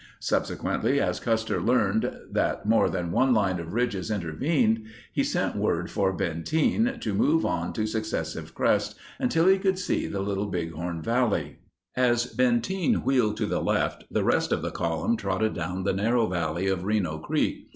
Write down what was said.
Subsequently, as Custer learned that more than one line of ridges intervened, he sent word for Benteen to move on to successive crests until he could see the Little Bighorn Valley. As Benteen wheeled to the left, the rest of the column trotted down the narrow valley of Reno Creek.